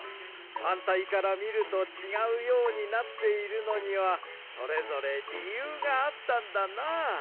はんたいからみるとちがうようになっているのにはそれぞれりゆうがあったんだなあ。